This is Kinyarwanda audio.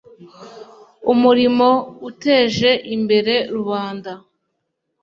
umurimo uteje imbere rubanda